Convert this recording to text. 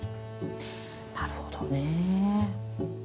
なるほどね。